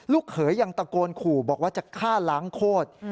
เขยยังตะโกนขู่บอกว่าจะฆ่าล้างโคตร